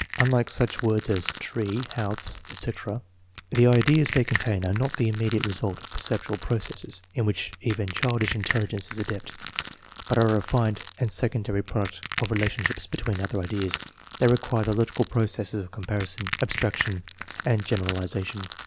Unlike such words as tree, house, etc., the ideas they contain are not the immediate result of perceptual processes, in which even childish in telligence is adept, but are a refined and secondary prod TEST NO. XII, 2 285 uct of relationships between other ideas. They require the logical processes of comparison, abstraction, and genera lization.